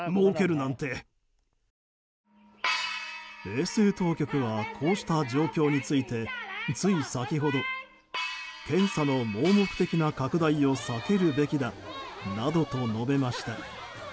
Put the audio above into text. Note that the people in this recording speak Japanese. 衛生当局はこうした状況についてつい先ほど検査の盲目的な拡大を避けるべきだなどと述べました。